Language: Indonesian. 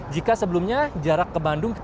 jika sebelumnya jarak ke bandung